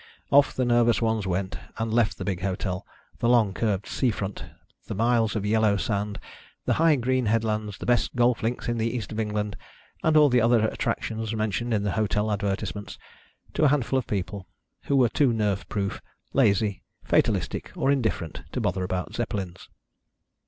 Off the nervous ones went, and left the big hotel, the long curved seafront, the miles of yellow sand, the high green headlands, the best golf links in the East of England, and all the other attractions mentioned in the hotel advertisements, to a handful of people, who were too nerve proof, lazy, fatalistic, or indifferent to bother about Zeppelins.